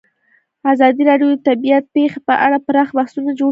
ازادي راډیو د طبیعي پېښې په اړه پراخ بحثونه جوړ کړي.